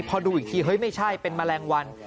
พอดูอีกทีเฮ้ยไม่ใช่เป็นแมลงวัน